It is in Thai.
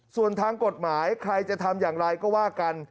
ส่วนทางกฎหมายใครจะทำอย่างไรก็ว่ากัน